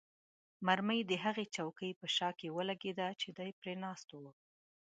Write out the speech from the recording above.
مرمۍ د هغه چوکۍ په شا کې ولګېده چې دی پرې ناست وو.